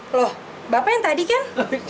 loh bapak yang tadi kan